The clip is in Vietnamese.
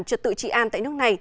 trực tự trị an tại nước này